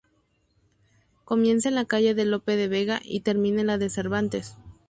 Comienza en la calle de Lope de Vega y termina en la de Cervantes.